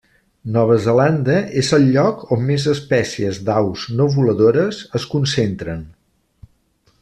Nova Zelanda és el lloc on més espècies d'aus no voladores es concentren.